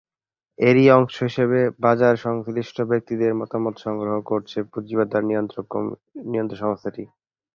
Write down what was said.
এরই অংশ হিসেবে বাজার সংশ্লিষ্ট ব্যক্তিদের মতামত সংগ্রহ করছে পুঁজিবাজার নিয়ন্ত্রক সংস্থাটি।